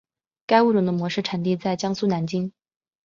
该物种的模式产地在江苏南京。